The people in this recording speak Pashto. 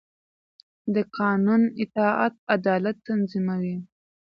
د قانون اطاعت عدالت تضمینوي